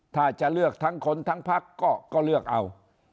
ถ้าจะเลือกทั้งคนทั้งพักก็เลือกเอา